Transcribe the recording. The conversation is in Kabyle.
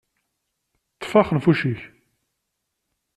Ṭṭef axenfuc-ik!